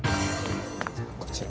こちら。